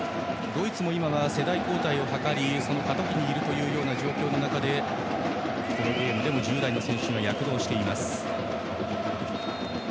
ドイツは今は世代交代を図っている状況の中でこのゲームでも１０代の選手が躍動しています。